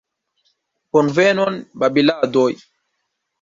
Bonvenon babiladoj.